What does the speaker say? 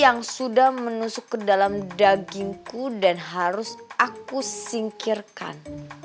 yang sudah menusuk ke dalam dagingku dan harus aku singkirkan